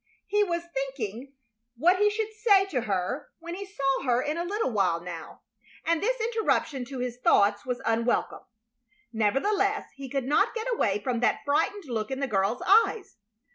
He was thinking what he should say to her when he saw her in a little while now, and this interruption to his thoughts was unwelcome. Nevertheless, he could not get away from that frightened look in the girl's eyes.